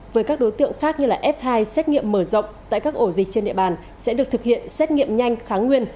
với các đối tượng khác như f hai xét nghiệm mở rộng tại các ổ dịch trên địa bàn sẽ được thực hiện xét nghiệm nhanh kháng nguyên